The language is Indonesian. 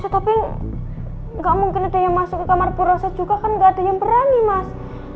tapi nggak mungkin ada yang masuk ke kamar purasa juga kan nggak ada yang berani mas